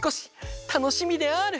たのしみである！